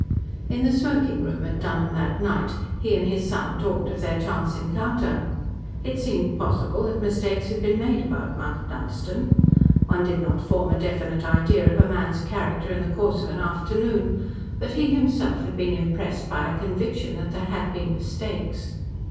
..... In the smoking room at Dunholm that night he and his son talked of their chance encounter. It seemed possible that mistakes had been made about Mount Dunstan. One did not form a definite idea of a man's character in the course of an afternoon, but he himself had been impressed by a conviction that there had been mistakes.